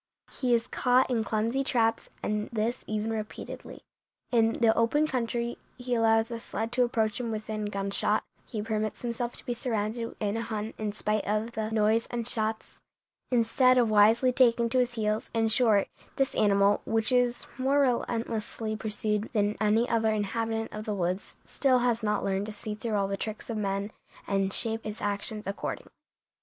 He is caught in clumsy traps, and this even repeatedly. In the open country he allows a sled to approach him within gunshot; he permits himself to be surrounded in a hunt in spite of the noise and shots, instead of wisely taking to his heels; in short, this animal, which is more relentlessly pursued than any other inhabitant of the woods, still has not learned to see through all the tricks of men and shape his actions accordingly."